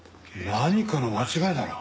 何かの間違いだろ？